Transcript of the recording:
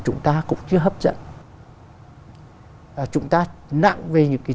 chúng ta cũng chưa hấp dẫn chúng ta nặng về những cái